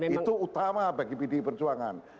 itu utama bagi pdi perjuangan